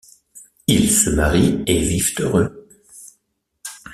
Ils se marient et vivent heureux...